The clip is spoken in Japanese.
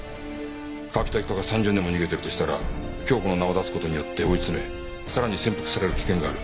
川喜多一家が３０年も逃げてるとしたら京子の名を出す事によって追い詰めさらに潜伏される危険がある。